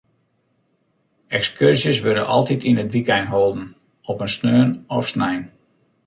Ekskurzjes wurde altyd yn it wykein holden, op in sneon of snein.